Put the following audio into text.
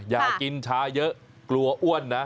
อย่ากินชาเยอะกลัวอ้วนนะ